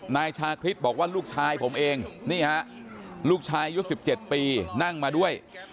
นายชาคริสบอกว่าลูกชายผมเองนี่ฮะลูกชายอายุ๑๗ปีนั่งมาด้วย